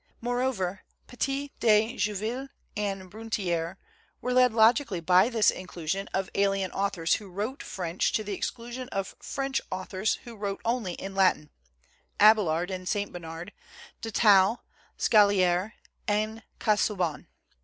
Moreover, Petit de Julleville and Brunetiere were led logically by this inclusion of alien au thors who wrote French to the exclusion of French authors who wrote only in Latin, Abelard and Saint Bernard, de Thou, Scaliger and Casau bon.